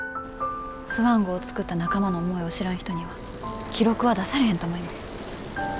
スワン号作った仲間の思いを知らん人には記録は出されへんと思います。